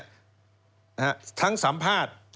ทั้งสัมภาษณ์